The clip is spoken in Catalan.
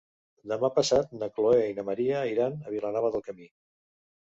Demà passat na Chloé i na Maria iran a Vilanova del Camí.